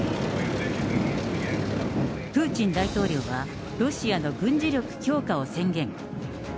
プーチン大統領は、ロシアの軍事力強化を宣言。